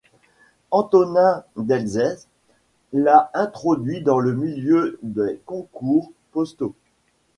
Antonin Delzès l'a introduit dans le milieu des concours postaux.